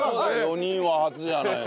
４人は初じゃないの？